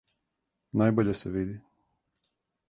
Најбоље се види.